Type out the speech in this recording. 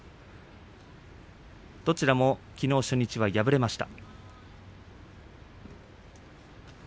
どちらもきのう初日は敗れました。